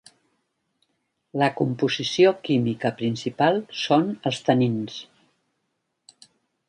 La composició química principal són els tanins.